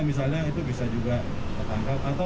misalnya itu bisa juga tertangkap